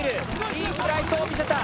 いいフライトを見せた。